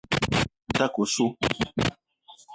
Me ta ke osso.